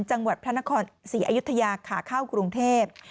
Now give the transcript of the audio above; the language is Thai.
จังหวัดพระนครศรีอยุธยาขาเข้ากรุงเทพ